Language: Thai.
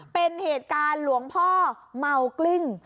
เป็นเหตุการณ์หลวงพ่อเมากลิ้ง